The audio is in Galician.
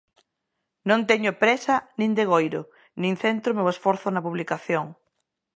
Non teño présa nin degoiro, nin centro o meu esforzo na publicación.